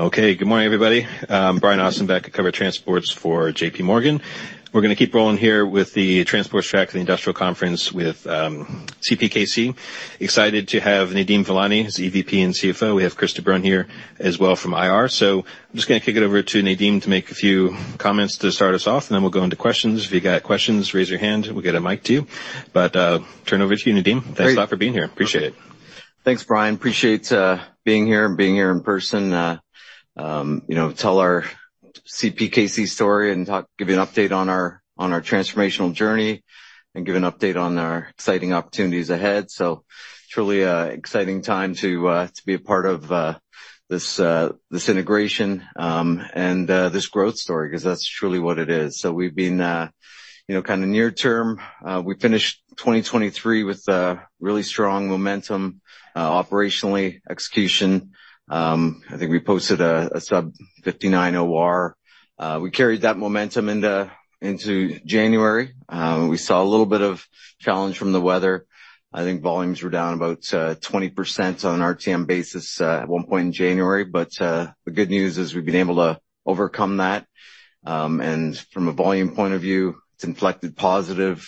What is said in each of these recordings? Okay, good morning everybody. Brian Ossenbeck to cover transports for JPMorgan. We're going to keep rolling here with the transports track for the industrial conference with CPKC. Excited to have Nadeem Velani, who's EVP and CFO. We have Chris de Bruyn here as well from IR. So I'm just going to kick it over to Nadeem to make a few comments to start us off, and then we'll go into questions. If you've got questions, raise your hand. We'll get a mic to you. Turn over to you, Nadeem. Great. Thanks a lot for being here. Appreciate it. Thanks, Brian. Appreciate being here and being here in person. You know, tell our CPKC story and talk give you an update on our transformational journey and give an update on our exciting opportunities ahead. So truly exciting time to be a part of this integration and this growth story because that's truly what it is. So we've been, you know, kind of near term. We finished 2023 with really strong momentum, operationally, execution. I think we posted a sub-59 OR. We carried that momentum into January. We saw a little bit of challenge from the weather. I think volumes were down about 20% on an RTM basis at one point in January. But the good news is we've been able to overcome that. And from a volume point of view, it's inflected positive.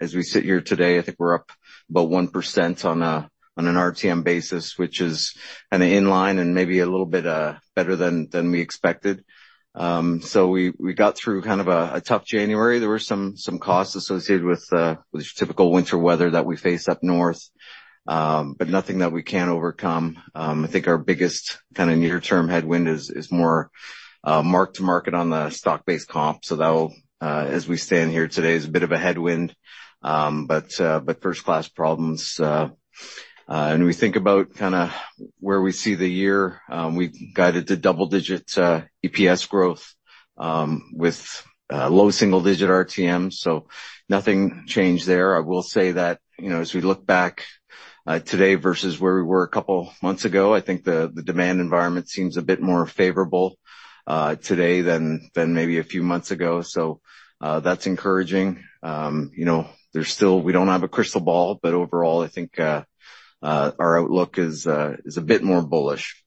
As we sit here today, I think we're up about 1% on an RTM basis, which is kind of in line and maybe a little bit better than we expected. So we got through kind of a tough January. There were some costs associated with typical winter weather that we face up north, but nothing that we can't overcome. I think our biggest kind of near-term headwind is more mark-to-market on the stock-based comp. So that'll, as we stand here today, is a bit of a headwind. But first-class problems. And we think about kind of where we see the year, we've got it to double-digit EPS growth, with low single-digit RTMs. So nothing changed there. I will say that, you know, as we look back, today versus where we were a couple months ago, I think the demand environment seems a bit more favorable today than maybe a few months ago. So, that's encouraging. You know, there's still we don't have a crystal ball, but overall, I think our outlook is a bit more bullish.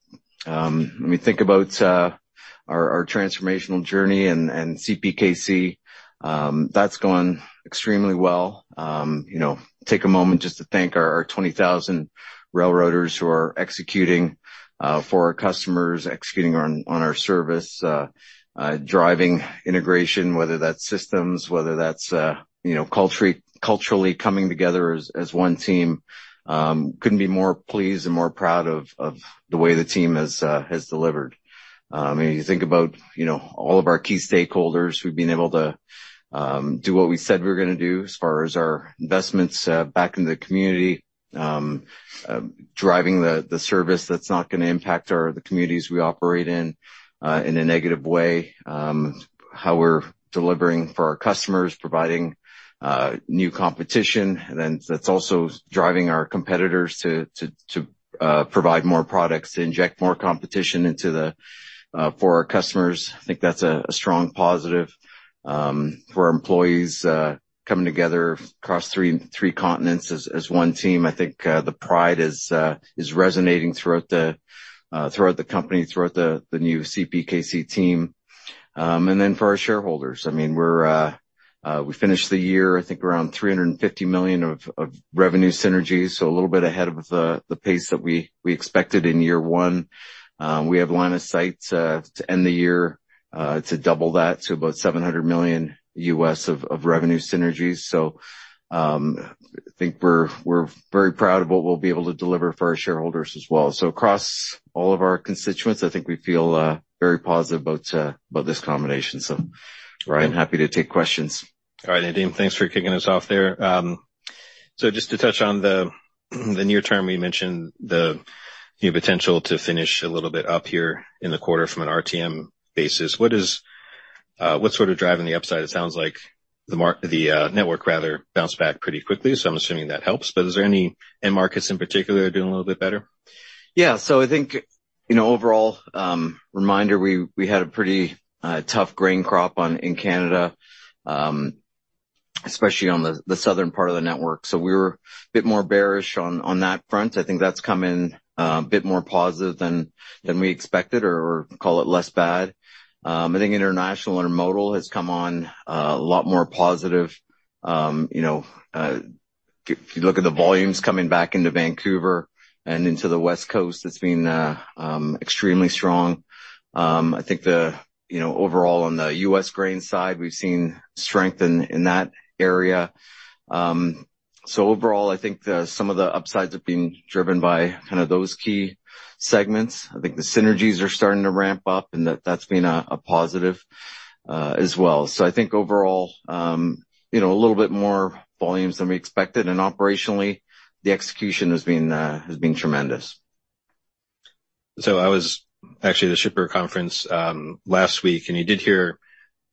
When we think about our transformational journey and CPKC, that's gone extremely well. You know, take a moment just to thank our 20,000 railroaders who are executing for our customers, executing on our service, driving integration, whether that's systems, whether that's, you know, culturally coming together as one team. Couldn't be more pleased and more proud of the way the team has delivered. You think about, you know, all of our key stakeholders, we've been able to do what we said we were going to do as far as our investments back into the community, driving the service that's not going to impact the communities we operate in in a negative way, how we're delivering for our customers, providing new competition, and then that's also driving our competitors to provide more products, to inject more competition into the for our customers. I think that's a strong positive. For our employees, coming together across three continents as one team, I think the pride is resonating throughout the company, throughout the new CPKC team. And then for our shareholders, I mean, we're, we finished the year, I think, around $350 million of, of revenue synergies, so a little bit ahead of the, the pace that we, we expected in year one. We have line of sight to end the year to double that to about $700 million of, of revenue synergies. So, I think we're, we're very proud of what we'll be able to deliver for our shareholders as well. So across all of our constituents, I think we feel very positive about, about this combination. So, Brian, happy to take questions. All right, Nadeem, thanks for kicking us off there. So just to touch on the near term, we mentioned the, you know, potential to finish a little bit up here in the quarter from an RTM basis. What's sort of driving the upside? It sounds like the network, rather, bounced back pretty quickly, so I'm assuming that helps. But is there any end markets in particular doing a little bit better? Yeah, so I think, you know, overall, reminder, we had a pretty tough grain crop on in Canada, especially on the southern part of the network. So we were a bit more bearish on that front. I think that's come in a bit more positive than we expected, or call it less bad. I think international intermodal has come on a lot more positive. You know, if you look at the volumes coming back into Vancouver and into the West Coast, it's been extremely strong. I think, you know, overall on the US grain side, we've seen strength in that area. So overall, I think some of the upsides have been driven by kind of those key segments. I think the synergies are starting to ramp up, and that's been a positive, as well. I think overall, you know, a little bit more volumes than we expected. Operationally, the execution has been tremendous. So I was actually at the shipper conference last week, and you did hear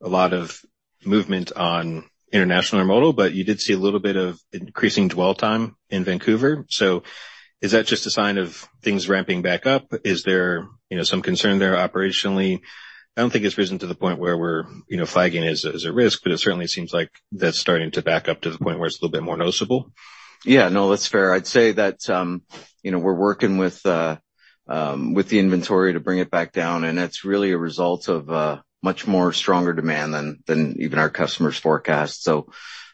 a lot of movement on international intermodal, but you did see a little bit of increasing dwell time in Vancouver. So is that just a sign of things ramping back up? Is there, you know, some concern there operationally? I don't think it's risen to the point where we're, you know, flagging it as a, as a risk, but it certainly seems like that's starting to back up to the point where it's a little bit more noticeable. Yeah, no, that's fair. I'd say that, you know, we're working with the inventory to bring it back down, and that's really a result of much more stronger demand than even our customers forecast. So,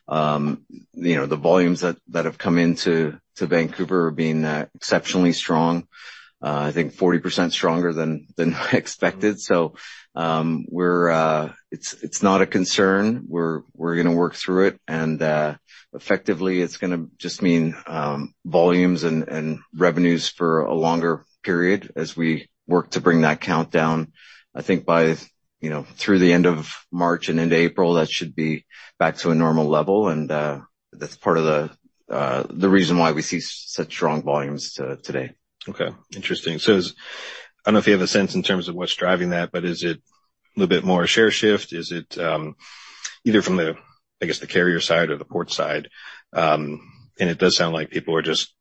you know, the volumes that have come into Vancouver are being exceptionally strong, I think 40% stronger than expected. So, it's not a concern. We're going to work through it. And, effectively, it's going to just mean volumes and revenues for a longer period as we work to bring that count down. I think by, you know, through the end of March and end April, that should be back to a normal level. And, that's part of the reason why we see such strong volumes to today. Okay, interesting. So, I don't know if you have a sense in terms of what's driving that, but is it a little bit more share shift? Is it, either from the, I guess, the carrier side or the port side? And it does sound like people are just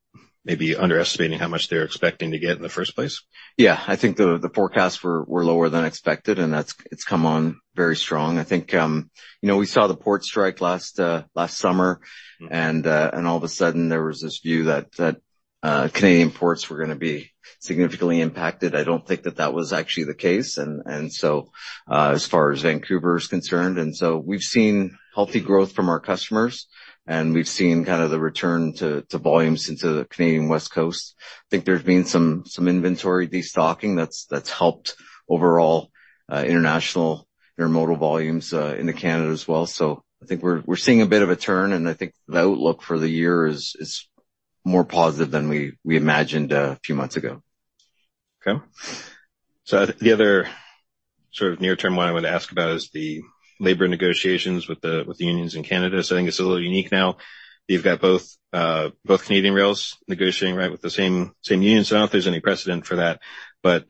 maybe underestimating how much they're expecting to get in the first place. Yeah, I think the forecasts were lower than expected, and that's come on very strong. I think, you know, we saw the port strike last summer, and all of a sudden, there was this view that Canadian ports were going to be significantly impacted. I don't think that was actually the case. And so, as far as Vancouver is concerned, we've seen healthy growth from our customers, and we've seen kind of the return to volumes into the Canadian West Coast. I think there's been some inventory destocking that's helped overall intermodal volumes in Canada as well. So I think we're seeing a bit of a turn, and I think the outlook for the year is more positive than we imagined a few months ago. Okay. So the other sort of near-term one I want to ask about is the labor negotiations with the unions in Canada. So I think it's a little unique now. You've got both Canadian rails negotiating, right, with the same unions. I don't know if there's any precedent for that, but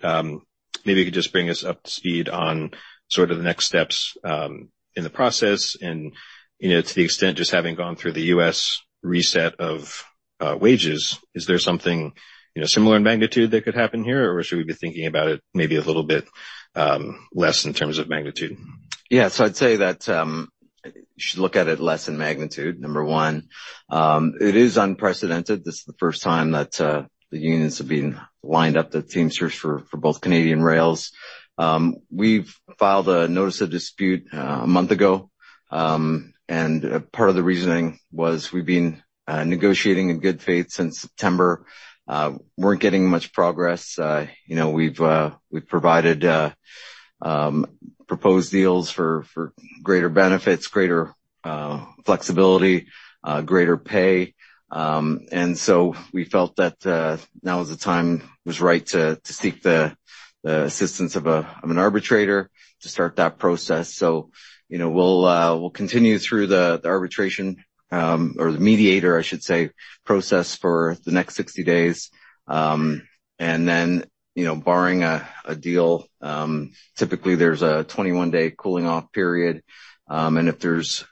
maybe you could just bring us up to speed on sort of the next steps in the process. And, you know, to the extent just having gone through the U.S. reset of wages, is there something, you know, similar in magnitude that could happen here, or should we be thinking about it maybe a little bit less in terms of magnitude? Yeah, so I'd say that you should look at it less in magnitude, number one. It is unprecedented. This is the first time that the unions have been lined up to Teamsters for both Canadian rails. We've filed a notice of dispute a month ago. And part of the reasoning was we've been negotiating in good faith since September. Weren't getting much progress. You know, we've provided proposed deals for greater benefits, greater flexibility, greater pay. And so we felt that now was the time to seek the assistance of an arbitrator to start that process. So, you know, we'll continue through the arbitration, or the mediator, I should say, process for the next 60 days, and then, you know, barring a deal, typically, there's a 21-day cooling-off period. If there's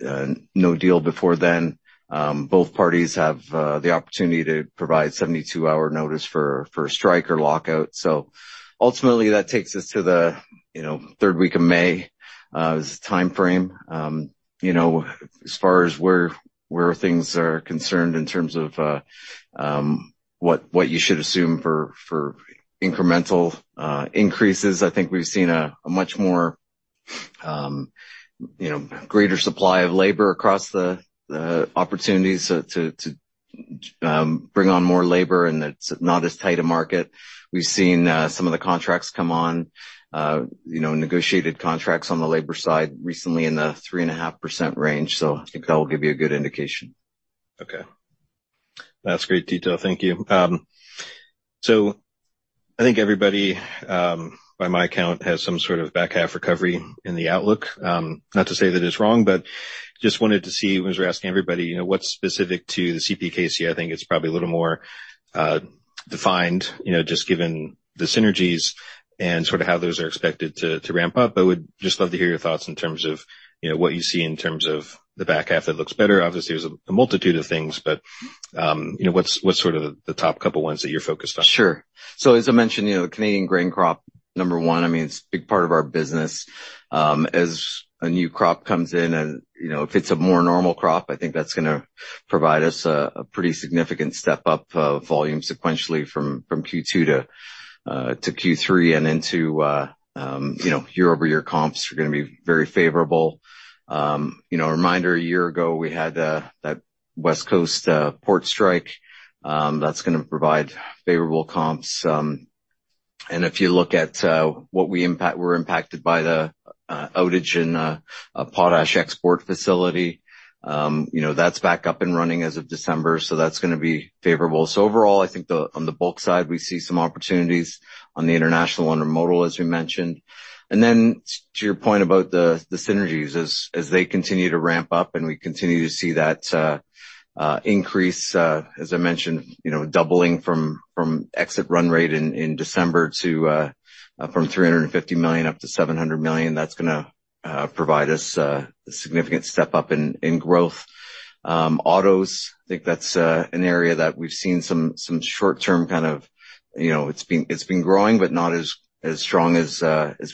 no deal before then, both parties have the opportunity to provide 72-hour notice for a strike or lockout. So ultimately, that takes us to the, you know, third week of May, as a timeframe. You know, as far as where things are concerned in terms of what you should assume for incremental increases, I think we've seen a much more, you know, greater supply of labor across the opportunities to bring on more labor, and it's not as tight a market. We've seen some of the contracts come on, you know, negotiated contracts on the labor side recently in the 3.5% range. So I think that will give you a good indication. Okay. That's great detail. Thank you. I think everybody, by my account, has some sort of back half recovery in the outlook. Not to say that it's wrong, but just wanted to see I was asking everybody, you know, what's specific to the CPKC. I think it's probably a little more defined, you know, just given the synergies and sort of how those are expected to ramp up. I would just love to hear your thoughts in terms of, you know, what you see in terms of the back half that looks better. Obviously, there's a multitude of things, but, you know, what's sort of the top couple ones that you're focused on? Sure. So as I mentioned, you know, Canadian grain crop, number one, I mean, it's a big part of our business. As a new crop comes in and, you know, if it's a more normal crop, I think that's going to provide us a pretty significant step up, volume sequentially from Q2 to Q3 and into, you know, year-over-year comps are going to be very favorable. You know, reminder, a year ago, we had that West Coast port strike. That's going to provide favorable comps. And if you look at what impact we're impacted by the outage in a potash export facility, you know, that's back up and running as of December, so that's going to be favorable. So overall, I think on the bulk side, we see some opportunities on the international intermodal, as we mentioned. And then to your point about the synergies, as they continue to ramp up and we continue to see that increase, as I mentioned, you know, doubling from exit run rate in December to from $350 up to 700 million, that's going to provide us a significant step up in growth. Autos, I think that's an area that we've seen some short-term kind of, you know, it's been growing, but not as strong as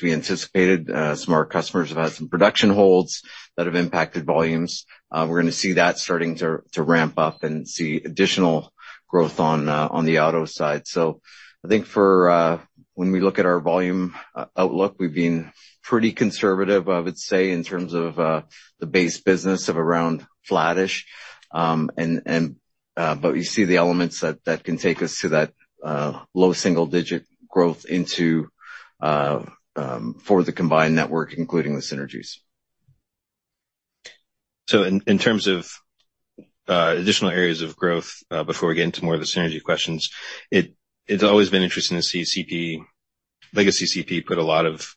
we anticipated. Some of our customers have had some production holds that have impacted volumes. We're going to see that starting to ramp up and see additional growth on the auto side. So I think for when we look at our volume outlook, we've been pretty conservative, I would say, in terms of the base business of around flattish. But you see the elements that can take us to that low single-digit growth for the combined network, including the synergies. So in terms of additional areas of growth, before we get into more of the synergy questions, it's always been interesting to see legacy CP put a lot of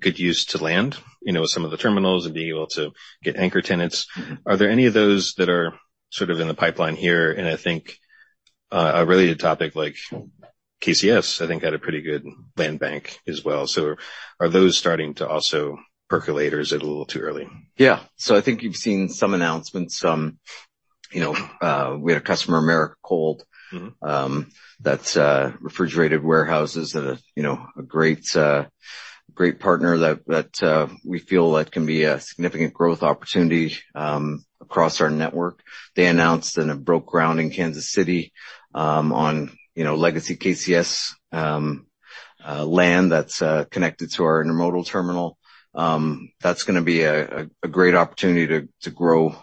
good use to land, you know, with some of the terminals and being able to get anchor tenants. Are there any of those that are sort of in the pipeline here? And I think a related topic like KCS had a pretty good land bank as well. So are those starting to also percolate or is it a little too early? Yeah, so I think you've seen some announcements. You know, we had a customer, Americold, that's refrigerated warehouses that are a great partner that we feel that can be a significant growth opportunity across our network. They announced that it broke ground in Kansas City on legacy KCS land that's connected to our intermodal terminal. That's going to be a great opportunity to grow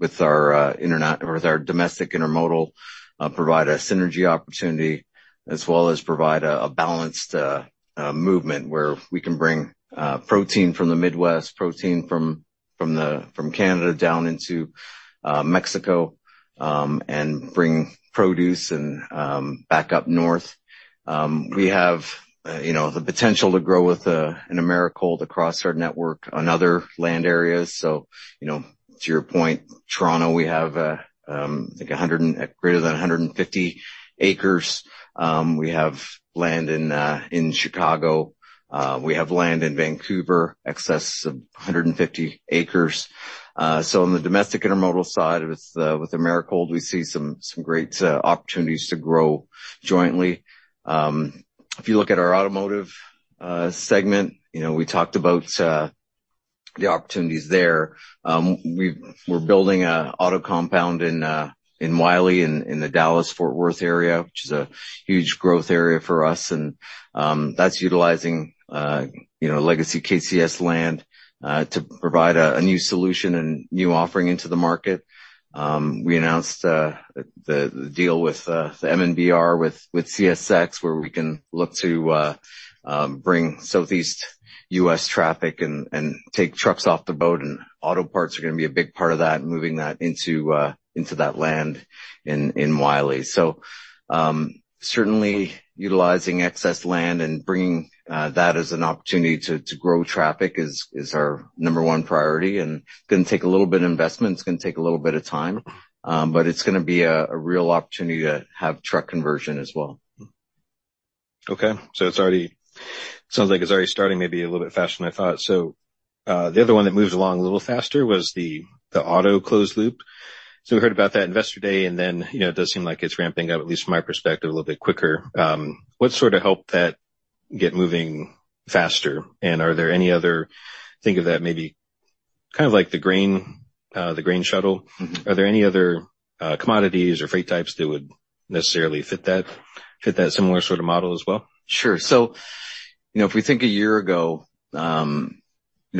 with our international with our domestic intermodal, provide a synergy opportunity as well as provide a balanced movement where we can bring protein from the Midwest, protein from Canada down into Mexico, and bring produce back up north. We have the potential to grow with an Americold across our network on other land areas. So, you know, to your point, Toronto, we have, I think 100 and greater than 150 acres. We have land in, in Chicago. We have land in Vancouver, excess of 150 acres. So on the domestic intermodal side with, with Americold, we see some, some great opportunities to grow jointly. If you look at our automotive segment, you know, we talked about the opportunities there. We've we're building an auto compound in, in Wylie in, in the Dallas-Fort Worth area, which is a huge growth area for us. And that's utilizing, you know, legacy KCS land to provide a, a new solution and new offering into the market. We announced the, the deal with the MNBR with, with CSX where we can look to bring Southeast US traffic and, and take trucks off the boat. Auto parts are going to be a big part of that, moving that into that land in Wylie. So, certainly utilizing excess land and bringing that as an opportunity to grow traffic is our number one priority. It's going to take a little bit of investment. It's going to take a little bit of time, but it's going to be a real opportunity to have truck conversion as well. Okay. So it's already it sounds like it's already starting maybe a little bit faster than I thought. So, the other one that moved along a little faster was the auto closed loop. So we heard about that investor day, and then, you know, it does seem like it's ramping up, at least from my perspective, a little bit quicker. What sort of helped that get moving faster? And are there any other think of that maybe kind of like the grain, the grain shuttle. Are there any other commodities or freight types that would necessarily fit that similar sort of model as well? Sure. So, you know, if we think a year ago, you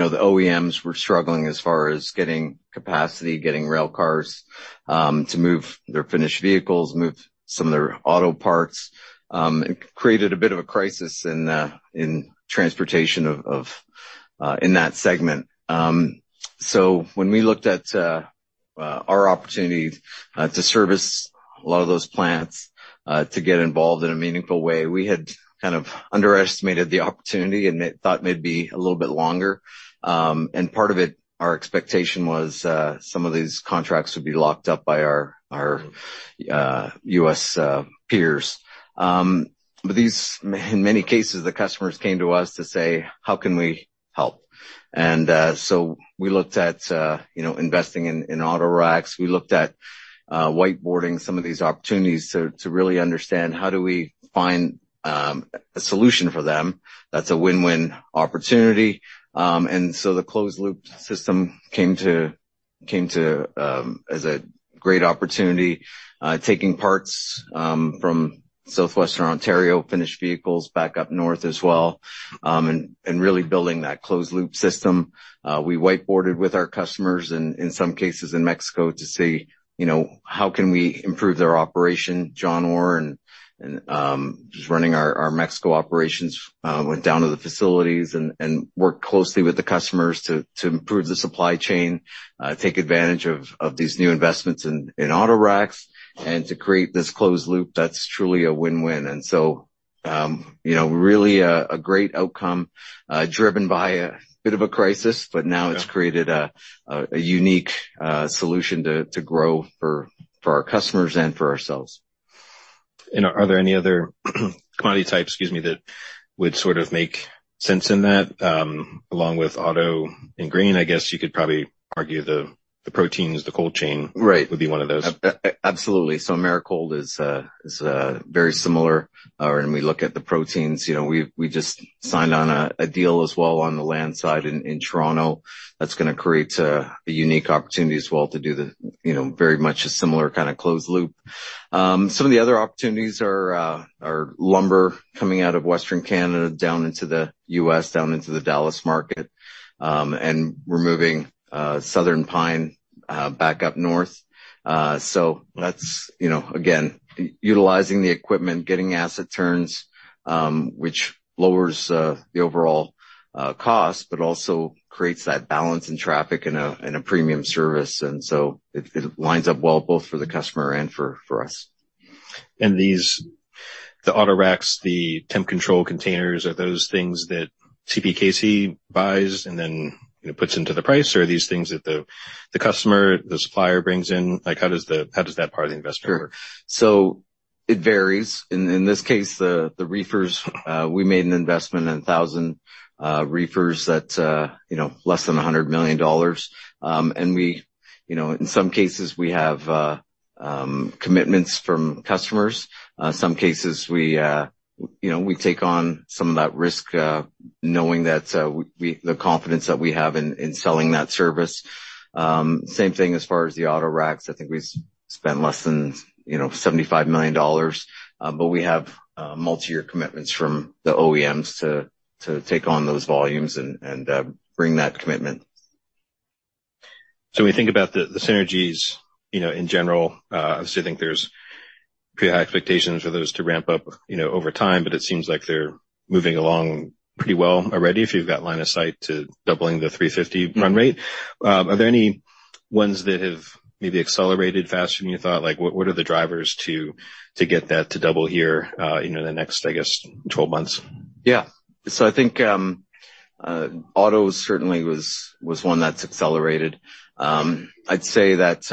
know, the OEMs were struggling as far as getting capacity, getting railcars, to move their finished vehicles, move some of their auto parts, it created a bit of a crisis in transportation in that segment. So when we looked at our opportunity to service a lot of those plants, to get involved in a meaningful way, we had kind of underestimated the opportunity and thought it may be a little bit longer. Part of it, our expectation was, some of these contracts would be locked up by our U.S. peers. But these in many cases, the customers came to us to say, "How can we help?" So we looked at, you know, investing in auto racks. We looked at whiteboarding some of these opportunities to really understand how do we find a solution for them that's a win-win opportunity. So the closed loop system came to as a great opportunity, taking parts from Southwestern Ontario, finished vehicles back up north as well, and really building that closed loop system. We whiteboarded with our customers and in some cases in Mexico to see, you know, how can we improve their operation. John Orr and just running our Mexico operations went down to the facilities and worked closely with the customers to improve the supply chain, take advantage of these new investments in auto racks, and to create this closed loop that's truly a win-win. And so, you know, really a great outcome, driven by a bit of a crisis, but now it's created a unique solution to grow for our customers and for ourselves. Are there any other commodity types, excuse me, that would sort of make sense in that, along with auto and grain? I guess you could probably argue the, the proteins, the cold chain. Right. Would be one of those. Absolutely. So Americold is very similar. We look at the proteins. You know, we just signed on a deal as well on the land side in Toronto. That's going to create a unique opportunity as well to do the, you know, very much a similar kind of closed loop. Some of the other opportunities are lumber coming out of Western Canada down into the U.S., down into the Dallas market, and removing Southern Pine back up north. So that's, you know, again, utilizing the equipment, getting asset turns, which lowers the overall cost, but also creates that balance in traffic and a premium service. And so it lines up well both for the customer and for us. These, the auto racks, the temp control containers, are those things that CPKC buys and then, you know, puts into the price, or are these things that the customer, the supplier brings in? Like, how does that part of the investment work? Sure. So it varies. In this case, the reefers, we made an investment in 1,000 reefers that, you know, less than $100 million. And we, you know, in some cases, we have commitments from customers. In some cases, we, you know, we take on some of that risk, knowing that we have the confidence that we have in selling that service. Same thing as far as the auto racks. I think we've spent less than, you know, $75 million, but we have multi-year commitments from the OEMs to take on those volumes and bring that commitment. So when you think about the synergies, you know, in general, obviously, I think there's pretty high expectations for those to ramp up, you know, over time, but it seems like they're moving along pretty well already if you've got line of sight to doubling the 350 run rate. Are there any ones that have maybe accelerated faster than you thought? Like, what are the drivers to get that to double here, you know, in the next, I guess, 12 months? Yeah. So I think, auto certainly was, was one that's accelerated. I'd say that,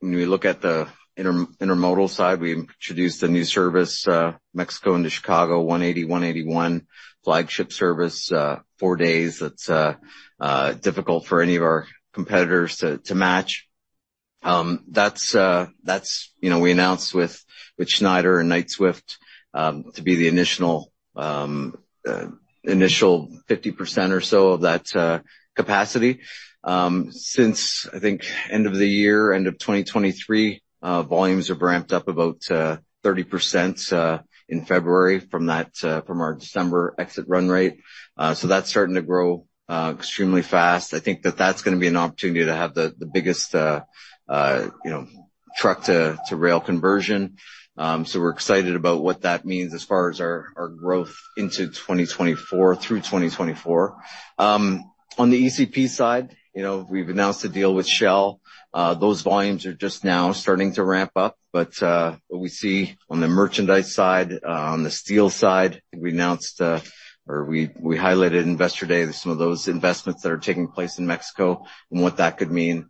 when we look at the intermodal side, we introduced a new service, Mexico into Chicago, 180-181, flagship service, 4 days that's, difficult for any of our competitors to, to match. That's, that's, you know, we announced with, with Schneider and Knight-Swift, to be the initial, initial 50% or so of that, capacity. Since I think end of the year, end of 2023, volumes have ramped up about, 30%, in February from that, from our December exit run rate. So that's starting to grow, extremely fast. I think that that's going to be an opportunity to have the, the biggest, you know, truck to, to rail conversion. So we're excited about what that means as far as our, our growth into 2024 through 2024. On the ECP side, you know, we've announced a deal with Shell. Those volumes are just now starting to ramp up. But, what we see on the merchandise side, on the steel side, I think we announced, or we, we highlighted Investor Day some of those investments that are taking place in Mexico and what that could mean.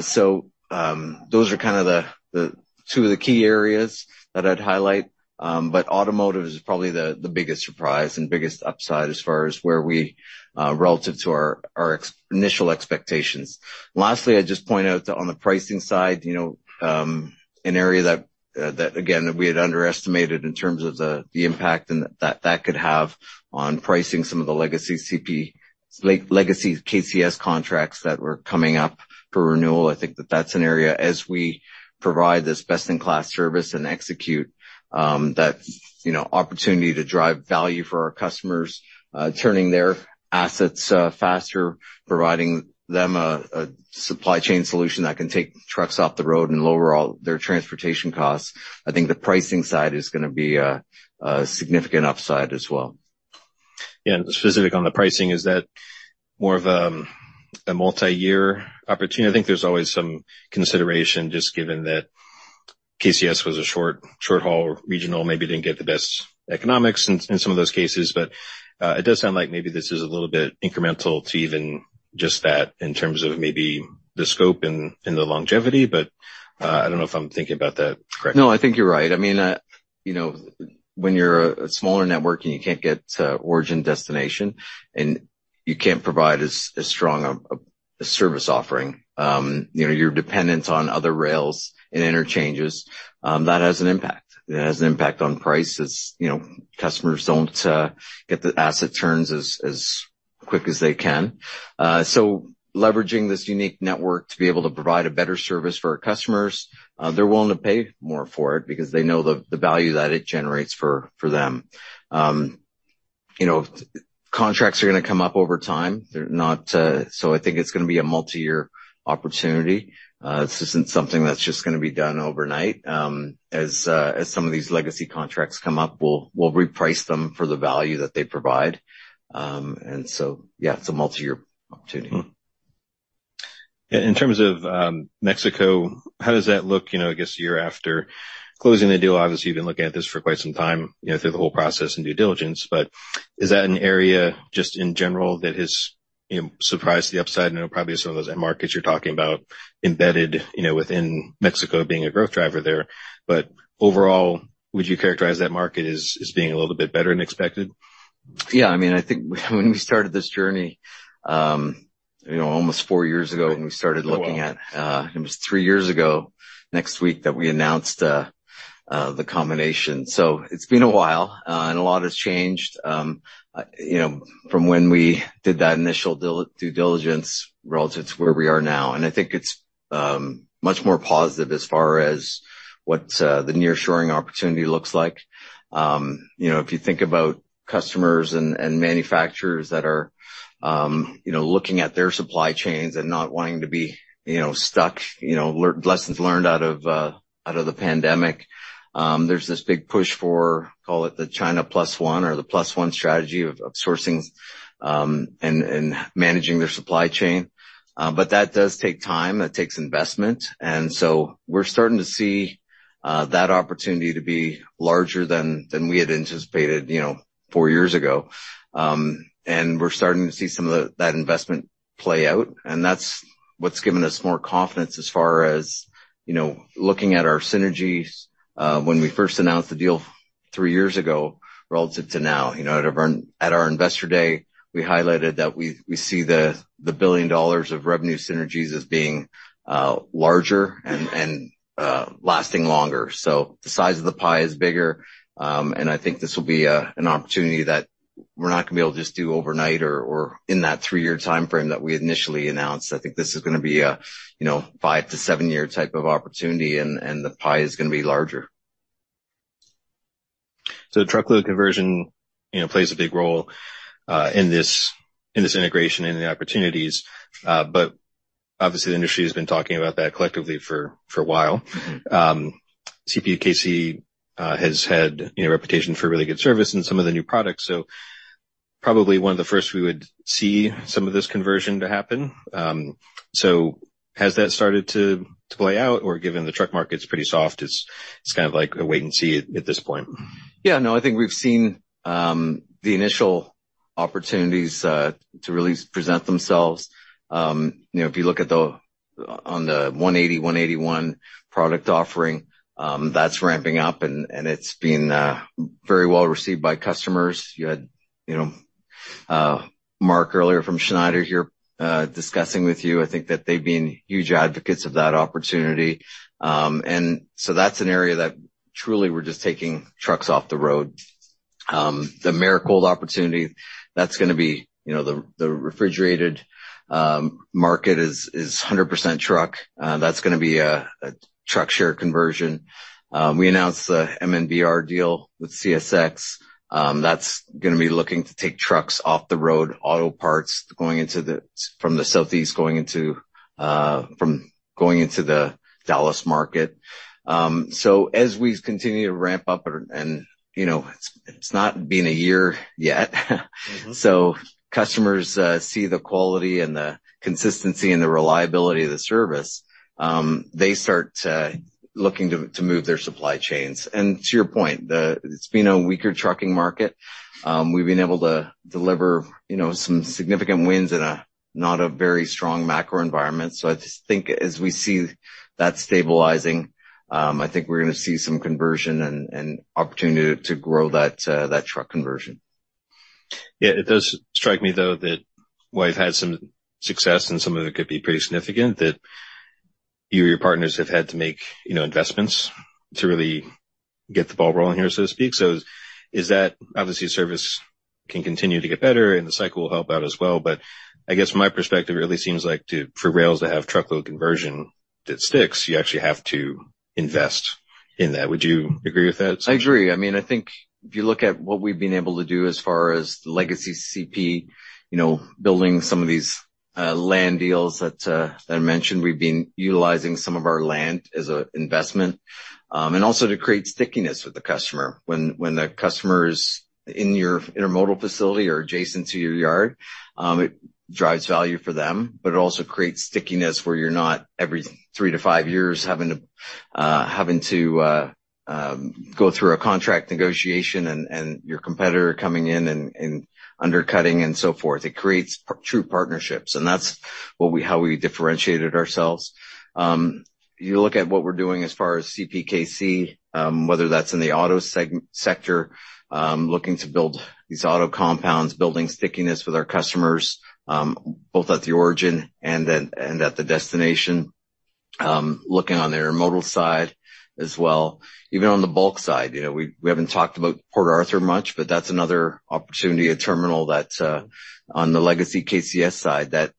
So, those are kind of the, the two of the key areas that I'd highlight. But automotive is probably the, the biggest surprise and biggest upside as far as where we, relative to our, our initial expectations. Lastly, I'd just point out that on the pricing side, you know, an area that again that we had underestimated in terms of the impact and that could have on pricing some of the legacy CP legacy KCS contracts that were coming up for renewal. I think that that's an area as we provide this best-in-class service and execute, that, you know, opportunity to drive value for our customers, turning their assets faster, providing them a supply chain solution that can take trucks off the road and lower all their transportation costs. I think the pricing side is going to be a significant upside as well. Yeah. And specific on the pricing, is that more of a multi-year opportunity? I think there's always some consideration just given that KCS was a short, short haul regional, maybe didn't get the best economics in some of those cases. But, it does sound like maybe this is a little bit incremental to even just that in terms of maybe the scope and the longevity. But, I don't know if I'm thinking about that correctly. No, I think you're right. I mean, you know, when you're a smaller network and you can't get to origin-destination and you can't provide as strong a service offering, you know, you're dependent on other rails and interchanges, that has an impact. It has an impact on price as, you know, customers don't get the asset turns as quick as they can. So leveraging this unique network to be able to provide a better service for our customers, they're willing to pay more for it because they know the value that it generates for them. You know, contracts are going to come up over time. They're not, so I think it's going to be a multi-year opportunity. This isn't something that's just going to be done overnight. As some of these legacy contracts come up, we'll reprice them for the value that they provide. And so, yeah, it's a multi-year opportunity. Yeah. In terms of Mexico, how does that look, you know, I guess, a year after closing the deal? Obviously, you've been looking at this for quite some time, you know, through the whole process and due diligence. But is that an area just in general that has, you know, surprised the upside? And it'll probably be some of those end markets you're talking about embedded, you know, within Mexico being a growth driver there. But overall, would you characterize that market as, as being a little bit better than expected? Yeah. I mean, I think when we started this journey, you know, almost four years ago when we started looking at, it was three years ago next week that we announced the combination. So it's been a while, and a lot has changed, you know, from when we did that initial due diligence relative to where we are now. And I think it's much more positive as far as what the nearshoring opportunity looks like. You know, if you think about customers and manufacturers that are, you know, looking at their supply chains and not wanting to be, you know, stuck, you know, lessons learned out of the pandemic, there's this big push for, call it the China Plus One or the Plus One strategy of sourcing and managing their supply chain. But that does take time. That takes investment. We're starting to see that opportunity to be larger than we had anticipated, you know, 4 years ago. We're starting to see some of that investment play out. And that's what's given us more confidence as far as, you know, looking at our synergies, when we first announced the deal 3 years ago relative to now. You know, at our investor day, we highlighted that we see the $1 billion of revenue synergies as being larger and lasting longer. So the size of the pie is bigger. I think this will be an opportunity that we're not going to be able to just do overnight or in that 3-year timeframe that we initially announced. I think this is going to be a you know 5-7-year type of opportunity, and the pie is going to be larger. So truckload conversion, you know, plays a big role in this integration and the opportunities. But obviously, the industry has been talking about that collectively for a while. CPKC has had, you know, reputation for really good service and some of the new products. So probably one of the first we would see some of this conversion to happen. So has that started to play out? Or given the truck market's pretty soft, it's kind of like a wait and see at this point? Yeah. No, I think we've seen the initial opportunities to really present themselves. You know, if you look at the on the 180, 181 product offering, that's ramping up and, and it's been very well received by customers. You had, you know, Mark earlier from Schneider here, discussing with you. I think that they've been huge advocates of that opportunity. And so that's an area that truly we're just taking trucks off the road. The Americold opportunity, that's going to be, you know, the, the refrigerated market is 100% truck. That's going to be a truck share conversion. We announced the MNBR deal with CSX. That's going to be looking to take trucks off the road, auto parts going into the from the Southeast going into, from going into the Dallas market. So as we continue to ramp up and, you know, it's not been a year yet. So customers see the quality and the consistency and the reliability of the service, they start looking to move their supply chains. And to your point, it's been a weaker trucking market. We've been able to deliver, you know, some significant wins in not a very strong macro environment. So I just think as we see that stabilizing, I think we're going to see some conversion and opportunity to grow that truck conversion. Yeah. It does strike me, though, that while you've had some success and some of it could be pretty significant, that you or your partners have had to make, you know, investments to really get the ball rolling here, so to speak. So, is that obvious? Service can continue to get better and the cycle will help out as well. But I guess from my perspective, it really seems like for rails to have truckload conversion that sticks, you actually have to invest in that. Would you agree with that? I agree. I mean, I think if you look at what we've been able to do as far as the legacy CP, you know, building some of these land deals that I mentioned, we've been utilizing some of our land as an investment, and also to create stickiness with the customer. When the customer is in your intermodal facility or adjacent to your yard, it drives value for them, but it also creates stickiness where you're not every three to five years having to go through a contract negotiation and your competitor coming in and undercutting and so forth. It creates true partnerships. And that's how we differentiated ourselves. You look at what we're doing as far as CPKC, whether that's in the auto segment sector, looking to build these auto compounds, building stickiness with our customers, both at the origin and at the destination, looking on the intermodal side as well, even on the bulk side. You know, we haven't talked about Port Arthur much, but that's another opportunity, a terminal that, on the legacy KCS side, that,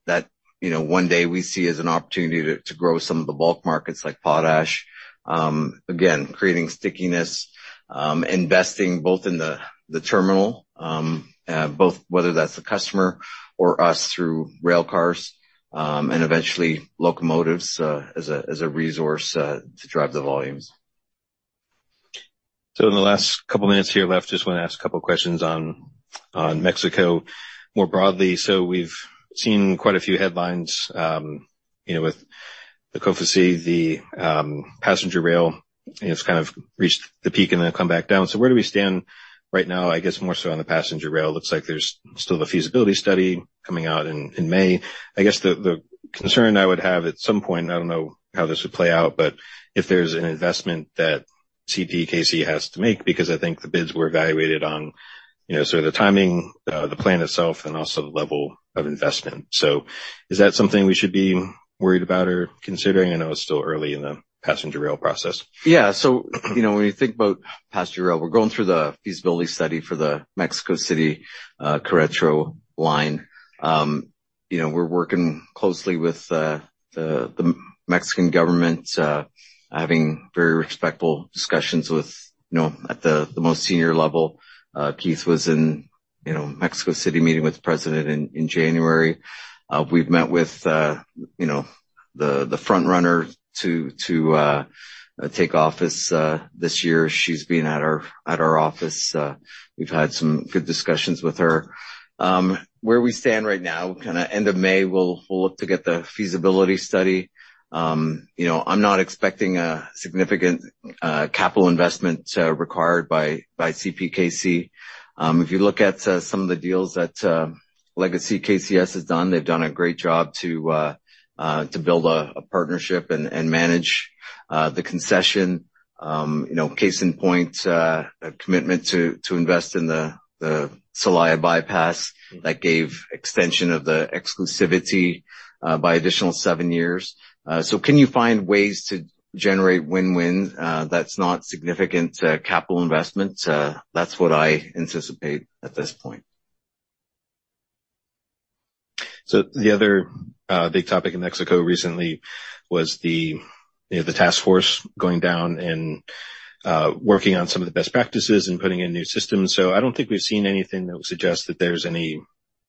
you know, one day we see as an opportunity to grow some of the bulk markets like potash. Again, creating stickiness, investing both in the terminal, both whether that's the customer or us through railcars, and eventually locomotives, as a resource, to drive the volumes. So in the last couple minutes here left, just want to ask a couple questions on, on Mexico more broadly. So we've seen quite a few headlines, you know, with the COFECE, the passenger rail, you know, it's kind of reached the peak and then come back down. So where do we stand right now, I guess, more so on the passenger rail? Looks like there's still a feasibility study coming out in, in May. I guess the, the concern I would have at some point, I don't know how this would play out, but if there's an investment that CPKC has to make because I think the bids were evaluated on, you know, sort of the timing, the plan itself, and also the level of investment. So is that something we should be worried about or considering? I know it's still early in the passenger rail process. Yeah. So, you know, when you think about passenger rail, we're going through the feasibility study for the Mexico City, Querétaro line. You know, we're working closely with the Mexican government, having very respectful discussions with, you know, at the most senior level. Keith was in, you know, Mexico City meeting with the president in January. We've met with, you know, the frontrunner to take office this year. She's been at our office. We've had some good discussions with her. Where we stand right now, kind of end of May, we'll look to get the feasibility study. You know, I'm not expecting a significant capital investment required by CPKC. If you look at some of the deals that legacy KCS has done, they've done a great job to build a partnership and manage the concession. You know, case in point, a commitment to invest in the Celaya Bypass that gave extension of the exclusivity by additional seven years. So can you find ways to generate win-win that's not significant capital investment? That's what I anticipate at this point. So the other big topic in Mexico recently was the, you know, the task force going down and working on some of the best practices and putting in new systems. So I don't think we've seen anything that would suggest that there's any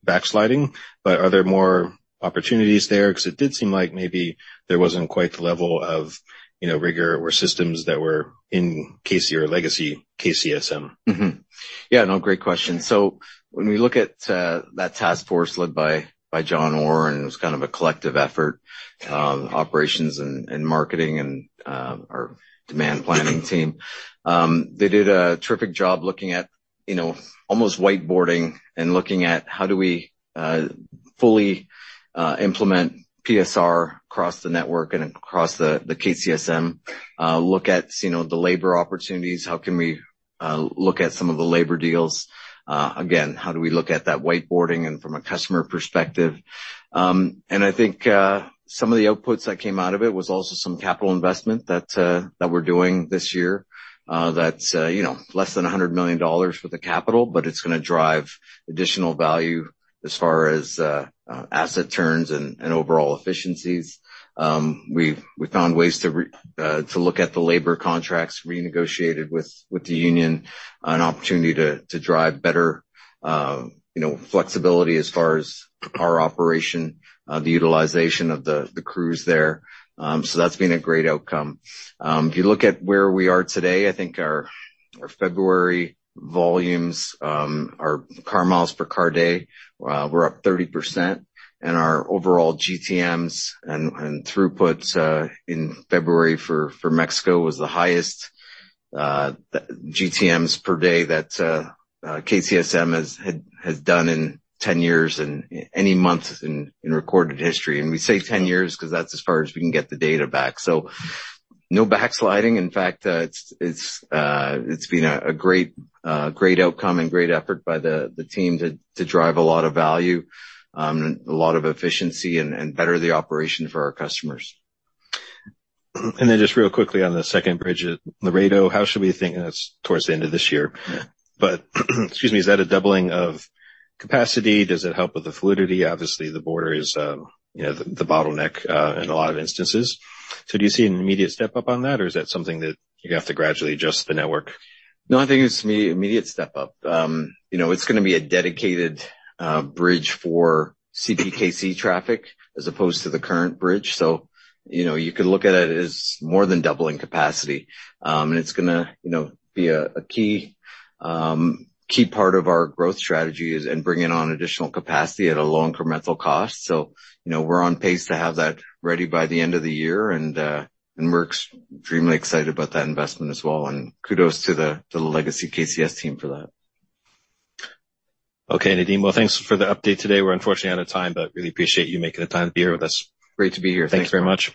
backsliding. But are there more opportunities there? Because it did seem like maybe there wasn't quite the level of, you know, rigor or systems that were in KC or legacy KCSM. Mm-hmm. Yeah. No, great question. So when we look at that task force led by John Orr, and it was kind of a collective effort, operations and marketing and our demand planning team, they did a terrific job looking at, you know, almost whiteboarding and looking at how do we fully implement PSR across the network and across the KCSM, look at, you know, the labor opportunities, how can we look at some of the labor deals, again, how do we look at that whiteboarding and from a customer perspective. And I think some of the outputs that came out of it was also some capital investment that we're doing this year, that's, you know, less than $100 million worth of capital, but it's going to drive additional value as far as asset turns and overall efficiencies. We found ways to look at the labor contracts renegotiated with the union, an opportunity to drive better, you know, flexibility as far as our operation, the utilization of the crews there. So that's been a great outcome. If you look at where we are today, I think our February volumes, our car miles per car day, we're up 30%. And our overall GTMs and throughputs, in February for Mexico was the highest, GTMs per day that KCSM has done in 10 years and any month in recorded history. And we say 10 years because that's as far as we can get the data back. So no backsliding. In fact, it's been a great outcome and great effort by the team to drive a lot of value, a lot of efficiency and better the operation for our customers. And then just real quickly on the second bridge, Laredo, how should we think and that's towards the end of this year. But excuse me, is that a doubling of capacity? Does it help with the fluidity? Obviously, the border is, you know, the bottleneck, in a lot of instances. So do you see an immediate step up on that, or is that something that you have to gradually adjust the network? No, I think it's immediate step up. You know, it's going to be a dedicated bridge for CPKC traffic as opposed to the current bridge. So, you know, you could look at it as more than doubling capacity. And it's going to, you know, be a key part of our growth strategy is and bringing on additional capacity at a low incremental cost. So, you know, we're on pace to have that ready by the end of the year. And we're extremely excited about that investment as well. And kudos to the legacy KCS team for that. Okay, Nadeem. Well, thanks for the update today. We're unfortunately out of time, but really appreciate you making the time to be here with us. Great to be here. Thanks very much.